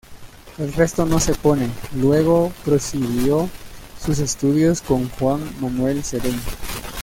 El resto no se pone".Luego prosiguió sus estudios con Juan Manuel Cedeño.